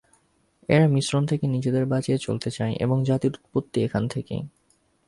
এরা মিশ্রণ থেকে নিজেদের বাঁচিয়ে চলতে চায় এবং জাতির উৎপত্তি এখান থেকেই।